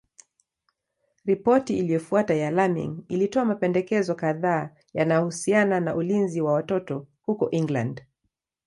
Ripoti iliyofuata ya Laming ilitoa mapendekezo kadhaa yanayohusiana na ulinzi wa watoto huko England.